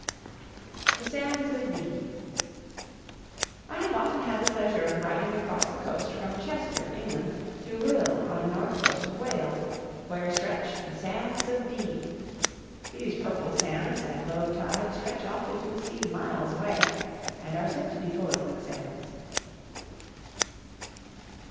THE SANDS OF DEE. I have often had the pleasure of riding across the coast from Chester, England, to Rhyl, on the north coast of Wales, where stretch "The Sands of Dee" (Charles Kingsley, 1819 75). These purple sands at low tide stretch off into the sea miles away, and are said to be full of quicksands.